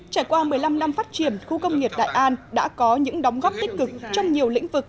trải qua một mươi năm năm phát triển khu công nghiệp đại an đã có những đóng góp tích cực trong nhiều lĩnh vực